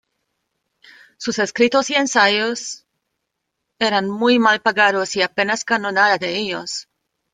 Sus escritos y ensayos eran muy mal pagados, y apenas ganó nada de ellos.